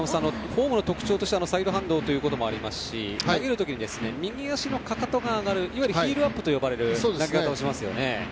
フォームの特徴としてはサイドハンドということもありますし、投げるときに右足のかかとが上がるいわゆるヒールアップと呼ばれる投げ方をしますよね。